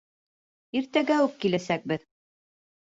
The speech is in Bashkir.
— Иртәгә үк киләсәкбеҙ!